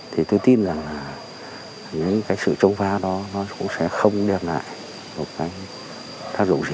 thì tôi tin rằng là cái sự chống phá đó nó cũng sẽ không đem lại một cái tác dụng gì